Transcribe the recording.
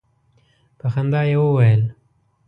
په خندا یې وویل.